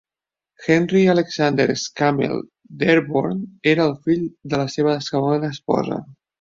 Henry Alexander Scammell Dearborn era el fill de la seva segona esposa.